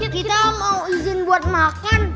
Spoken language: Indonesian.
kita mau izin buat makan